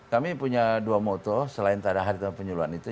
kami punya dua moto selain dari harga penyuluhan itu